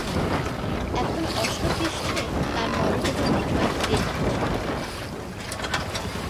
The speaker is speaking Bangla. এখন অশ্ব পৃষ্ঠে তাঁর মরদেহ মক্কায় ফিরে যাচ্ছে।